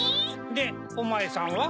でおまえさんは？